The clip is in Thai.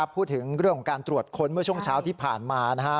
พูดถึงเรื่องของการตรวจค้นเมื่อช่วงเช้าที่ผ่านมานะฮะ